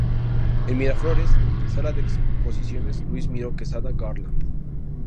En Miraflores, Sala de Exposiciones "Luis Miró Quesada Garland".